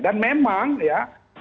dan memang ya